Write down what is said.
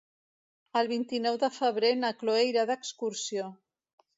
El vint-i-nou de febrer na Chloé irà d'excursió.